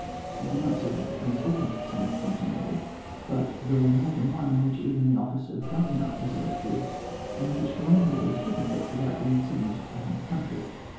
He did not say that the principle went to the same extent in all, but there were more than, one in which even the office of Governor was elective, and in which colonial laws took effect without being submitted to the home country.